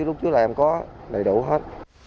lúc trước là em có đầy đủ hết